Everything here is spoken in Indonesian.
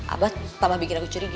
abah tambah bikin aku curiga